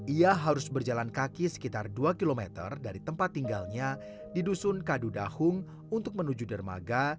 ia harus berjalan kaki sekitar dua km dari tempat tinggalnya di dusun kadu dahung untuk menuju dermaga